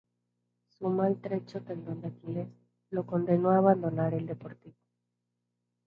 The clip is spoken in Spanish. Su maltrecho tendón de aquiles, lo condenó a abandonar el Deportivo.